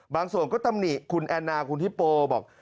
บางส่วนก็ตำหนิคุณแอนนาคุณฮิปโปบอก